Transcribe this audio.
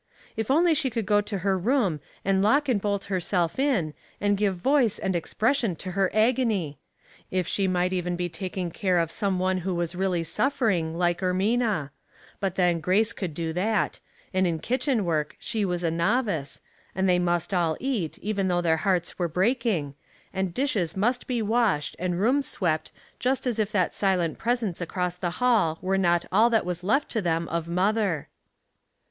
Jf only she could go to her room, and lock and bolt herself in, and give voice and expression to her agony ; if she might even be taking care of some one who was really suffering, like Ermina; but then Grace could do that, and in kitchen work she was a novice, and they must Mourning and Dressmaking. 91 all eat, even though their hearts were breaking, and dishes must be washed and rooms swept just as if that silent presence across the hall were not all that was left to them of mother.